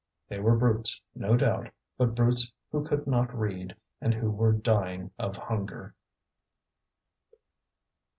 They were brutes, no doubt, but brutes who could not read, and who were dying of hunger.